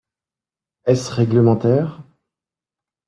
Est-ce réglementaire?